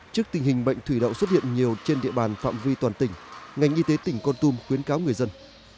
trước tình hình bệnh thủy đậu xuất hiện nhiều trên địa bàn phạm vi toàn tỉnh ngành y tế tỉnh con tum khuyến cáo người dân